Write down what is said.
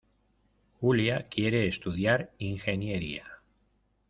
Julia quiere estudiar ingeniería.